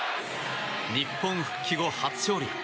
日本復帰後初勝利へ